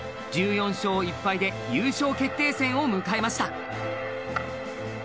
１４勝１敗で優勝決定戦を迎えました。